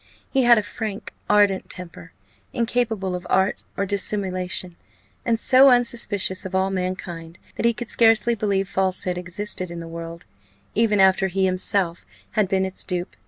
He had a frank, ardent temper, incapable of art or dissimulation, and so unsuspicious of all mankind, that he could scarcely believe falsehood existed in the world, even after he had himself been its dupe.